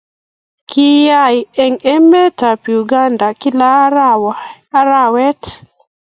kiyae en emet ab Uganda kila arawet